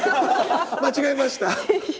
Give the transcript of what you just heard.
間違えました。